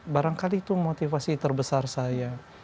barangkali itu motivasi terbesar saya